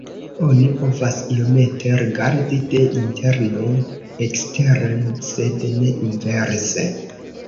Oni povas iomete rigardi de interno eksteren sed ne inverse.